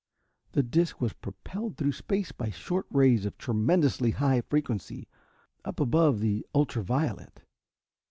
The disc was propelled through space by short rays of tremendously high frequency, up above the ultra violet.